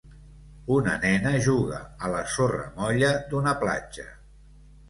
Una nena juga a la sorra molla d'una platja.